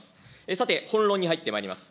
さて、本論に入ってまいります。